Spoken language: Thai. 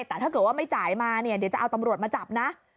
แต่ถ้าเกิดว่าไม่จ่ายมาเนี่ยเดี๋ยวจะเอาตำรวจมาจับนะ